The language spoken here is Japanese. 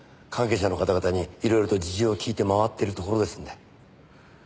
関係者の方々に色々と事情を聞いて回ってるところですので。